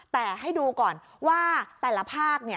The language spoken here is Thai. แต่ให้ดูก่อนว่าแต่ละภาค